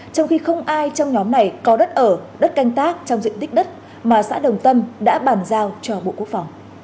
trong khi không ai trong nhóm này có đất ở đất canh tác trong diện tích đất mà xã đồng tâm đã bàn giao cho bộ quốc phòng